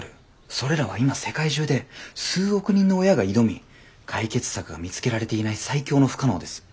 それらは今世界中で数億人の親が挑み解決策が見つけられていない最強の不可能です。